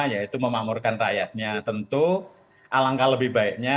yaitu memamurkan rakyatnya tentu alangkah lebih baiknya